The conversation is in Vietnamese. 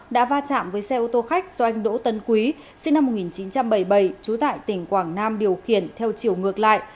đã va chạm với xe ô tô khách do anh đỗ tấn quý sinh năm một nghìn chín trăm bảy mươi bảy trú tại tỉnh quảng nam điều khiển theo chiều ngược lại